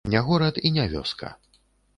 Не горад і не вёска.